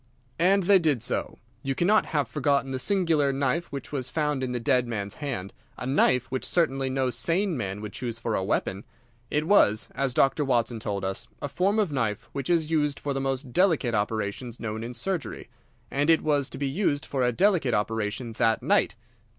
"And they did so. You cannot have forgotten the singular knife which was found in the dead man's hand, a knife which certainly no sane man would choose for a weapon. It was, as Dr. Watson told us, a form of knife which is used for the most delicate operations known in surgery. And it was to be used for a delicate operation that night.